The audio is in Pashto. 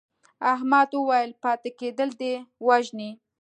احمد وویل پاتې کېدل دې وژني.